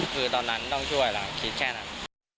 คือตอนนั้นต้องช่วยแล้วคิดแค่นั้น